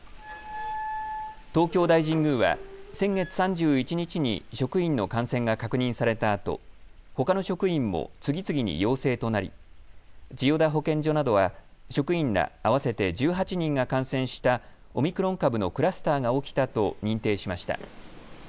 東京大神宮は先月３１日に職員の感染が確認されたあとほかの職員も次々に陽性となり千代田保健所などは職員ら、合わせて１８人が感染したオミクロン株のクラスターが起きたと認定しました。